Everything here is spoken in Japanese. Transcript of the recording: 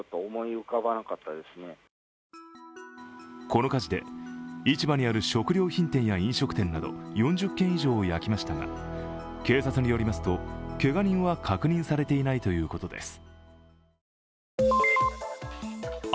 この火事で、市場にある食料品店や飲食店など４０軒以上を焼きましたが、警察によりますとけが人は確認されていないということです。